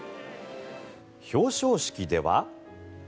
表彰式では。